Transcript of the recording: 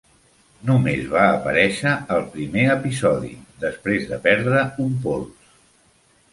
Només va aparèixer al primer episodi, després de perdre un pols.